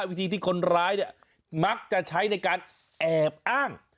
วิธีที่คนร้ายเนี่ยมักจะใช้ในการแอบอ้าง